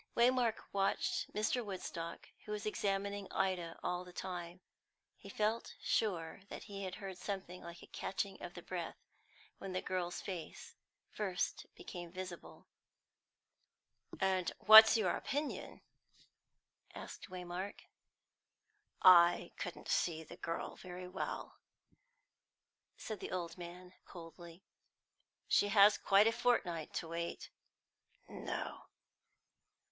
Waymark watched Mr. Woodstock, who was examining Ida all the time; he felt sure that he heard something like a catching of the breath when the girl's face first became visible. "And what's your opinion?" asked Waymark. "I couldn't see the girl very well," said the old man coldly. "She hasn't quite a fortnight to wait." "No."